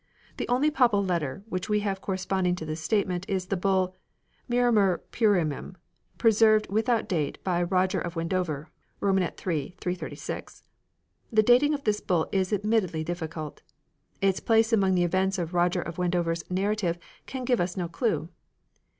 The only papal letter which we have corresponding to this statement is the Bull " Miramur plurimum " preserved without date by Roger of Wendover (iii. 336). The dating of this Bull is admittedly difficult. Its place among the events of Roger of Wendover's narrative can give us no clue.